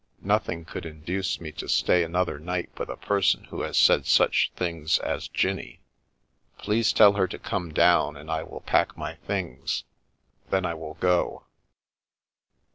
Nothing could induce me to stay another night with a person who has said such things as Jinnie. Please tell her to come down, and I will pack my things. Then I will go."